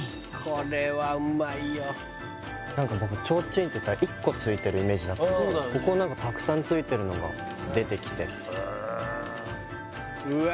これはうまいよ何か僕ちょうちんっていったら１個ついてるイメージだったんですけどここは何かたくさんついてるのが出てきてうわ